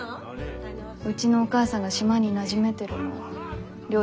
うちのお母さんが島になじめてるのりょー